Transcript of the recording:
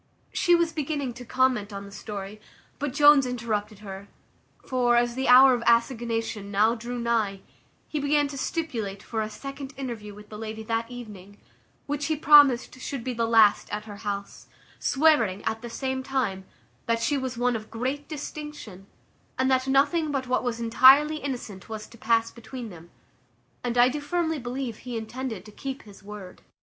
She was beginning to comment on the story, but Jones interrupted her; for, as the hour of assignation now drew nigh, he began to stipulate for a second interview with the lady that evening, which he promised should be the last at her house; swearing, at the same time, that she was one of great distinction, and that nothing but what was intirely innocent was to pass between them; and I do firmly believe he intended to keep his word.